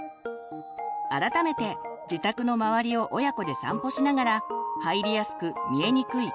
改めて自宅の周りを親子で散歩しながら「入りやすく見えにくい」